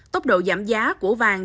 tốc độ giảm giá của vàng